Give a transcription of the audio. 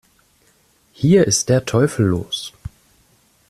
Hier ist der Teufel los!